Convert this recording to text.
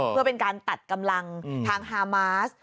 เพื่อเป็นการตัดกำลังทางฮามาส